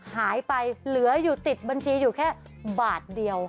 หายไปเหลืออยู่ติดบัญชีอยู่แค่บาทเดียว